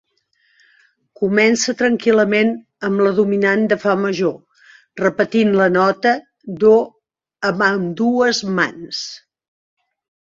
Comença tranquil·lament amb la dominant de fa major, repetint la nota do en ambdues mans.